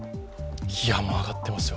いや、もう上がってますよ。